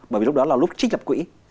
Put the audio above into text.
bởi vì lúc đó là lúc trích lập quỹ